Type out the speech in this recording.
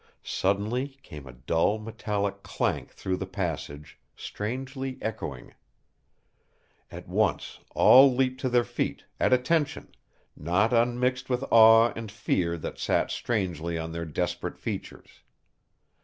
Suddenly came a dull metallic clank through the passage, strangely echoing. At once all leaped to their feet, at attention, not unmixed with awe and fear that sat strangely on their desperate features.